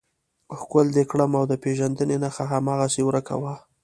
ښکل دې کړم او د پېژندنې نښه هماغسې ورکه وه.